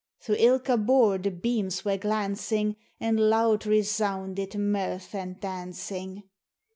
Through ilka bore the beams were glancing, And loud resounded mirth and dancing.